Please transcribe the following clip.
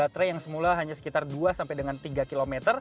baterai yang semula hanya sekitar dua sampai dengan tiga km